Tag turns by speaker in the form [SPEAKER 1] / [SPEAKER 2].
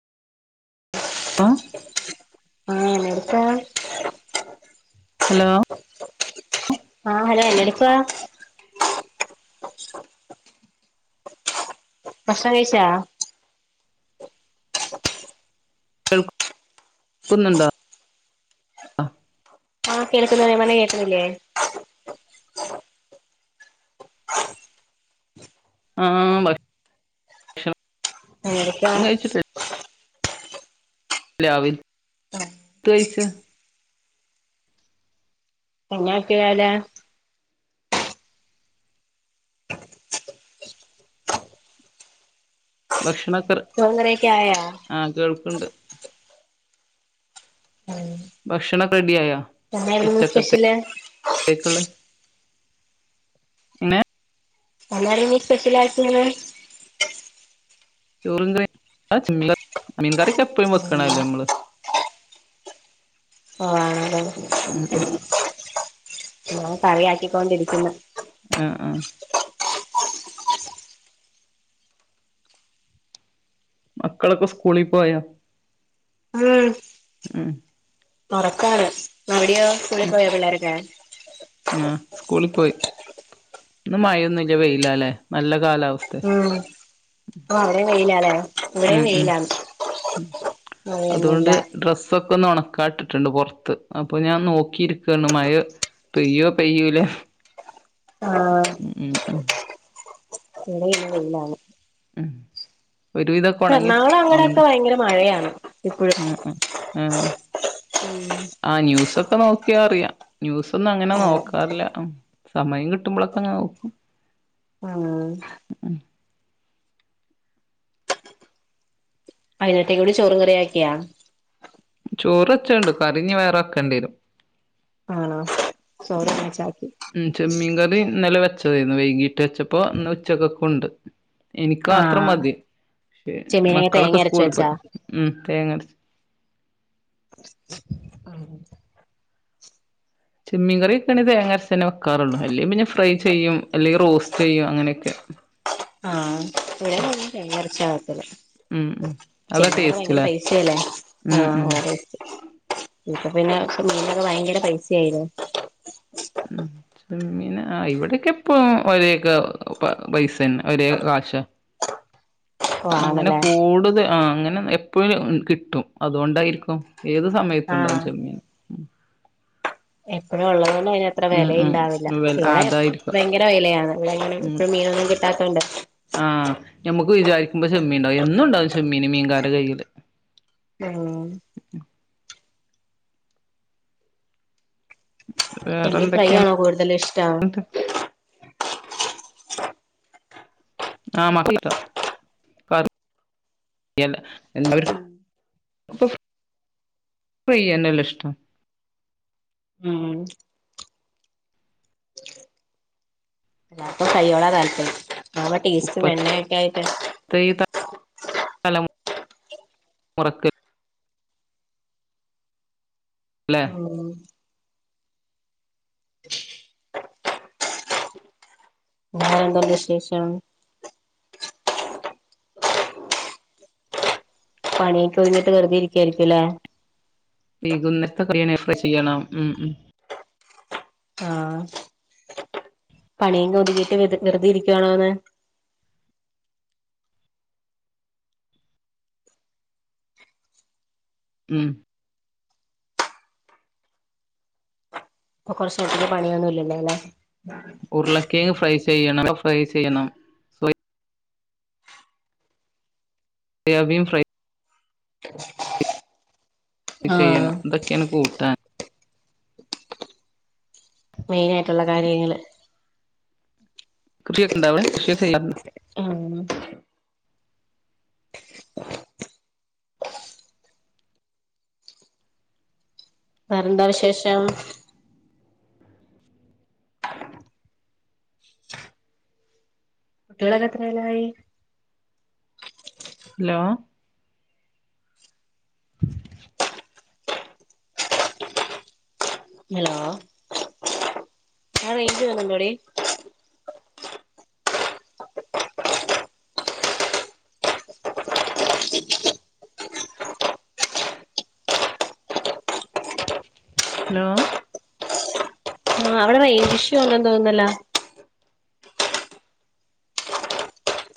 [SPEAKER 1] O
[SPEAKER 2] ആ വ്ട്ക്കാ
[SPEAKER 1] hello
[SPEAKER 2] ആ ഹലോ എന്റെടുപ്പ ഭക്ഷ്ണം കഴിച്ചാ
[SPEAKER 1] ക്കുന്നുണ്ടോ
[SPEAKER 2] ആ കേൾക്കുന്നു നമന കേൾക്കുന്നില്ലേ
[SPEAKER 1] ആ ബരും ഷു
[SPEAKER 2] എങ്ങനെക്കേ
[SPEAKER 1] പ്ലാവിൽ ഡ്‌ കയ്ച്ചോ
[SPEAKER 2] അങ്ങാക്കോല
[SPEAKER 1] ഭക്ഷണം
[SPEAKER 2] ചോറും കറിയൊക്കായാ ഉം
[SPEAKER 1] ഭക്ഷണൊക്കെ റെഡിയായോ
[SPEAKER 2] എന്തായിരുന്നു സ്പെഷ്യല്
[SPEAKER 1] പിന്നെ
[SPEAKER 2] എന്നാലിനി സ്പെഷ്യലാക്കിയാലോ
[SPEAKER 1] ചോറും കറീം ആ ച്ചി മീൻലാ മീൻകറിയൊക്കെ എപ്പോയും വെക്കണല്ലേ നമ്മള്
[SPEAKER 2] ആ
[SPEAKER 1] ഉം
[SPEAKER 2] നിങ്ങളെ കളിയാക്കിക്കൊണ്ടിരിക്കുന്നു
[SPEAKER 1] ആ ആ മക്കളൊക്കെ സ്കൂളി പോയാ ഉം
[SPEAKER 2] [unintelligible] മടിയോ സ്കുളിൽ
[SPEAKER 1] ഉം
[SPEAKER 2] പോയ പിള്ളരക്ക
[SPEAKER 1] ആ സ്കൂളിൽ പോയി ഇന്ന് മഴൊന്നും ഇാ വെയില അല്ലെ നല്ല കാലാവസ്ഥ
[SPEAKER 2] ഉം ആ അവരെ കയിലാല്ലേ ഇവിടെ
[SPEAKER 1] ഉം ഉം
[SPEAKER 2] വെലന്ന് അങ്ങനൊന്നുമില്ല
[SPEAKER 1] ന്ന് ഉണക്കാട്ടിട്ടുണ്ട് പുറത്ത് അപ്പൊ ഞാൻ നോക്കിയിരിക്കാണ് മഴ പെയ്യോ പെയ്യൂല്ലേ
[SPEAKER 2] ആഹ
[SPEAKER 1] [unintelligible]
[SPEAKER 2] [unintelligible]
[SPEAKER 1] ഉം [unintelligible] ഉണങ്ങി
[SPEAKER 2] എറണാകുളം അങ്ങടൊക്കെ
[SPEAKER 1] ഉണങ്ങിട്ട്
[SPEAKER 2] ഭയങ്കര മഴയാണ് ഇപ്പഴും
[SPEAKER 1] ആഹ് ആ ന്യൂസൊ കൊക്കെ നോക്കിയാ അറിയാം ന്യൂസൊന്നും അങ്ങനെ
[SPEAKER 2] ആഹ്
[SPEAKER 1] നോക്കാറില്ല സമയം കിട്ടുമ്പോഴൊക്കെ അങ്ങനെ നോക്കും
[SPEAKER 2] ആഹ് വയനേരതേക്കൂടി ചോറും കറിയാക്കിയാ
[SPEAKER 1] ചോറ് വച്ചേണ്ട് കറിനി വേറെ വക്കേണ്ടി വരും
[SPEAKER 2] ആണോ ചോറ്
[SPEAKER 1] ഉം
[SPEAKER 2] ഒന്നിച്ചാക്കി
[SPEAKER 1] ഉം ചെമ്മീൻ കറി ഇന്നലവച്ച് ച്ചന്ന് വൈകീട്ട് വെച്ചപ്പോ ഇന്നുച്ചക്കകുണ്ട് എനിക്ക് മാത്രം
[SPEAKER 2] ആഹ്
[SPEAKER 1] മതി
[SPEAKER 2] ചെമ്മീനൊക്കെ
[SPEAKER 1] മക്കളൊക്കെ
[SPEAKER 2] തേങ്ങ അരച്ച്
[SPEAKER 1] സ്കൂളിൽ
[SPEAKER 2] വെച്ചാ
[SPEAKER 1] പോയി ഉം തേങ്ങ അരച്ച്
[SPEAKER 2] ആഹ് [unintelligible]
[SPEAKER 1] ചെമ്മിൻ കറിവക്കാണെകി തേങ്ങ അരച്ചെനെ വെക്കാറുള്ളൂ അല്ലേ പിന്നെ ഫ്രൈ ചെയ്യും അല്ലെങ്കിൽ റോസ്റ്റ് ചെയ്യും അങ്ങനെയൊക്കെ
[SPEAKER 2] ആഹ് ഇവിടെയും വെകൽ തേങ്ങരച്ച [unintelligible]
[SPEAKER 1] ഉം ഉം അതാ
[SPEAKER 2] ചെമ്മിനകെ ഭയങ്കര
[SPEAKER 1] ടേസ്റ്റ്ല്ലേ
[SPEAKER 2] പൈസ അല്ലേ
[SPEAKER 1] ഉം ഉം
[SPEAKER 2] ആഹ് [unintelligible] ഇപ്പ പിന്നെ മീനൊക്കെ ഭയങ്കര പൈസ ആയില്ലേ
[SPEAKER 1] ഉം ചെമ്മീന ഇവിടെക്കെ എപ്പ ഒരക്കെ പൈസന്നെ ഒരേ കാശ
[SPEAKER 2] ഓഹ്
[SPEAKER 1] അങ്ങനെ
[SPEAKER 2] ആണല്ലേ
[SPEAKER 1] കൂടുത ആ അങ്ങനെ എപ്പോഴും കിട്ടും അതുകൊണ്ടായിരിക്കും ഏത്
[SPEAKER 2] ആഹ്
[SPEAKER 1] സമയത്തുണ്ടാവും ചെമ്മീൻ
[SPEAKER 2] എപ്പഴും ഉള്ളത് അത്ര
[SPEAKER 1] ഉം ഉം
[SPEAKER 2] വിലുണ്ടാവില്ല
[SPEAKER 1] വെല ആ
[SPEAKER 2] ഇവിടെ
[SPEAKER 1] അതായിരിക്കും
[SPEAKER 2] ഭയങ്കര വിലയാണ് ഇവിടെങ്ങനെ ഇ മീന ഇതാക്കണ്ട്
[SPEAKER 1] ആഹ് ഞമ്മക്ക് വിചാരിക്കുമ്പോ ചെമ്മീൻ ഉണ്ടാവും എന്നുണ്ടാവും ചെമ്മീന് മീൻകാരെ കയ്യില്
[SPEAKER 2] ആഹ്
[SPEAKER 1] വേറെ
[SPEAKER 2] ചെമ്മിൻ ഫ്രൈ
[SPEAKER 1] എന്തൊക്കെയാ
[SPEAKER 2] ആണോ കൂടുതലിഷ്ടം
[SPEAKER 1] എന്നിട്ട് ആഹ് മക്ക [unintelligible] എല്ലാരും ഫ്രൈയനലേ ഇഷ്ടം
[SPEAKER 2] ഉം അപ്പ ഫ്രൈയ്യോടാ താല്പര്യം ആ [unintelligible] യൊക്കെ ആയിട്ട്
[SPEAKER 1] തല മുറക്ക് പല്ലെ
[SPEAKER 2] ഉം അ എന്തുണ്ട് വിശേഷം പണിയൊക്ക ഒഴിഞ്ഞിട്ട് വെറുതെ ഇരിക്കായിരിക്കുംല്ലെ
[SPEAKER 1] ഇപ്പ ചെയ്യണം ഉം ഉം
[SPEAKER 2] പണിയെങ്ക ഒതുകിട്ട് വ വെറുതെ ഇരിക്കുവാണോന്ന്
[SPEAKER 1] ഉം
[SPEAKER 2] ഇപ്പൊ കൊറച്ചേരത്തിന് പണിയൊന്നുംല്ലല്ലേ അല്ലെ
[SPEAKER 1] ഉരുളക്കേങ്ങ് ഫ്രൈ ചെയ്യണം [unintelligible] ഫ്രൈ ചെയ്യണം സോയാബീൻ ഫ്രൈ
[SPEAKER 2] ആഹ്
[SPEAKER 1] ചെയ്യണം ഇതൊക്കെയാണ് കൂട്ടാൻ
[SPEAKER 2] മെയിനയിട്ടുള്ള കാര്യങ്ങള്
[SPEAKER 1] കൃഷിയൊക്കെണ്ടാ അവിടെ കൃഷിയൊക്കെ ചെയ്യാറുണ്ടോ
[SPEAKER 2] ഉം വേറെന്താ വിശേഷം കുട്ടികളൊക്കെ എത്രയല്ലായി
[SPEAKER 1] ഹലോ
[SPEAKER 2] ഹലോ അവിടെ റേഞ്ച് കുറവുണ്ടോടി
[SPEAKER 1] ഹലോ
[SPEAKER 2] ആ അവിടെ റെയിഞ്ച് ഇഷ്യൂണ്ടെന്ന് തോന്നുന്നല്ലേ